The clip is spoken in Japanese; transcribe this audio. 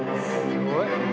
すごい。